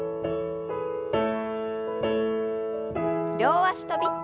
両脚跳び。